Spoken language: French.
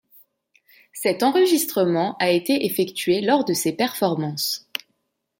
Cet enregistrement a été effectué lors de ces performances.